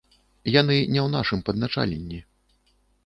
Яны не ў нашым падначаленні.